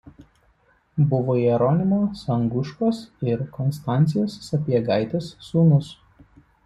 Buvo Jeronimo Sanguškos ir Konstancijos Sapiegaitės sūnus.